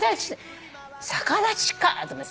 逆立ちかと思って。